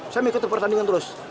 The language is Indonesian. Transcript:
saya mengikuti pertandingan terus